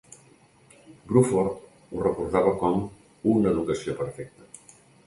Bruford ho recordava com "una educació perfecta".